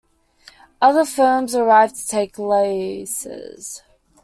Other firms arrived to take leases.